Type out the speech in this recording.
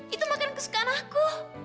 itu makanan kesukaan aku